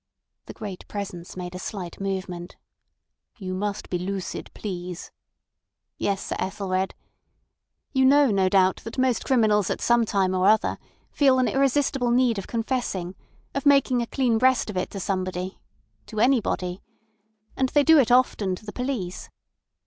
The Great Presence made a slight movement. "You must be lucid, please." "Yes, Sir Ethelred. You know no doubt that most criminals at some time or other feel an irresistible need of confessing—of making a clean breast of it to somebody—to anybody. And they do it often to the police.